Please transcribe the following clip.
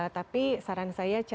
tapi saran saya carilah suatu teman